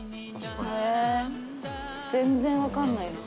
えー全然分かんないな。